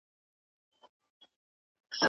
زیارتونه مي کړه ستړي ماته یو نه را رسیږي